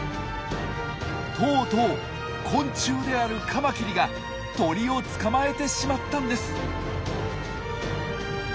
とうとう昆虫であるカマキリが鳥を捕まえてしまったんです。